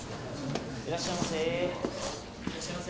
いらっしゃいませ。